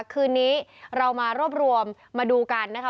คืนนี้เรามารวบรวมมาดูกันนะคะ